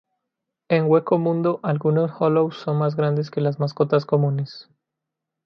En Hueco Mundo, algunos Hollows son más grandes que las mascotas comunes.